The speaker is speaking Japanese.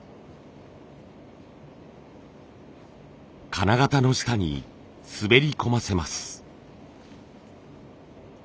金型の下に滑り込ませます。